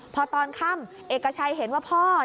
พอตอนค่ำเอกชัยเห็นว่าพ่อ